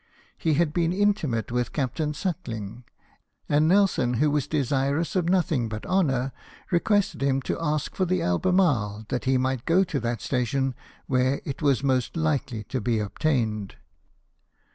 He had been intimate with Captain Suckling; and Nelson, who was desirous of nothing but honour, requested him to ask for the Albemarle, that he might go to that station where it was most likely to be obtained.